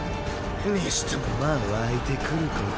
にしてもまあ湧いてくること。